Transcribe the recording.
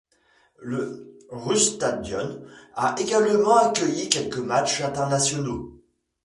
Le Ruhrstadion a également accueilli quelques matchs internationaux.